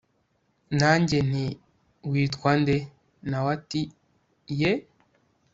nanjye nti witwande!? nawe ati yeeeeh